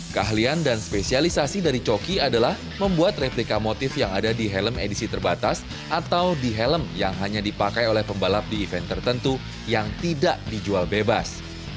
keahlian dan spesialisasi dari coki adalah membuat replika motif yang ada di helm edisi terbatas atau di helm yang hanya dipakai oleh pembalap di event tertentu yang tidak dijual bebas